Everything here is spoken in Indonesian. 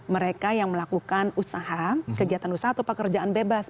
mereka yang melakukan usaha kegiatan usaha atau pekerjaan bebas